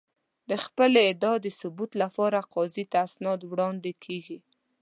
د خپلې ادعا د ثبوت لپاره قاضي ته اسناد وړاندې کېږي.